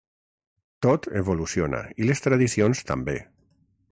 Tot evoluciona i les tradicions també.